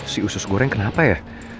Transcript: si usus goreng kenapa ya